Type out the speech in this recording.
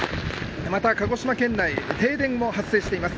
また鹿児島県内停電も発生しています。